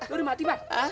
lo udah mati pan